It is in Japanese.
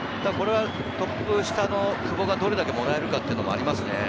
これはトップ下の久保がどれだけもらえるかっていうのもありますね。